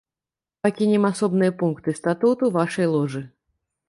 Пакінем асобныя пункты статуту вашай ложы.